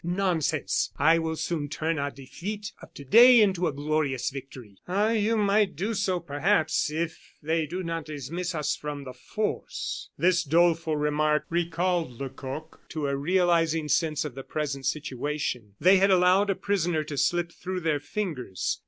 Nonsense! I will soon turn our defeat of today into a glorious victory." "Ah! you might do so perhaps, if they do not dismiss us from the force." This doleful remark recalled Lecoq to a realizing sense of the present situation. They had allowed a prisoner to slip through their fingers.